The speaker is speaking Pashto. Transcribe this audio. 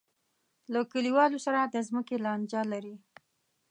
له کلیوالو سره د ځمکې لانجه لري.